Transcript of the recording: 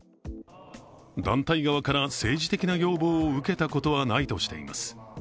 団体側から政治的な要望を受けたことはないとしています。